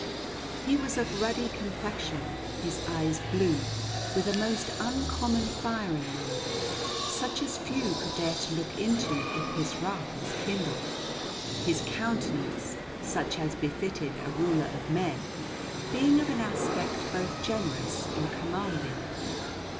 He was of a ruddy complexion, his eyes blue, with a most uncommon fire in them, such as few could dare to look into if his wrath was kindled, his countenance, such as befitted a ruler of men, being of an aspect both generous and commanding.